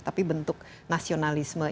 tapi bentuk nasionalisme